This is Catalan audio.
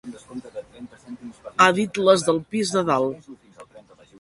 Ha dit les del pis de dalt.